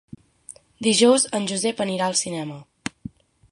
Dijous en Josep anirà al cinema.